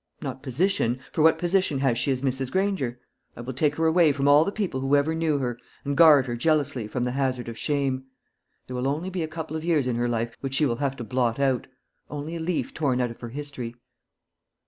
Not position; for what position has she as Mrs. Granger? I will take her away from all the people who ever knew her, and guard her jealously from the hazard of shame. There will only be a couple of years in her life which she will have to blot out only a leaf torn out of her history."